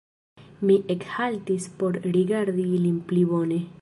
Mi ekhaltis por rigardi ilin pli bone.